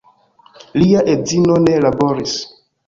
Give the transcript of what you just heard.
Lia edzino ne laboris.